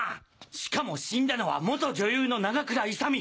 しかも死んだのは元女優の永倉勇美。